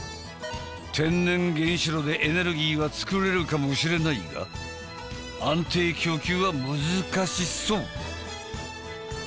天然原子炉でエネルギーは作れるかもしれないが安定供給は難しそう。